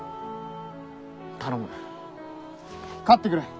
頼む勝ってくれ。